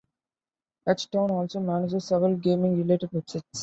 H-Town also manages several gaming-related websites.